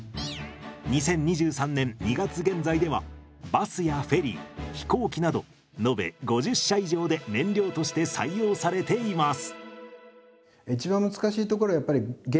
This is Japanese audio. ２０２３年２月現在ではバスやフェリー飛行機など延べ５０社以上で燃料として採用されています。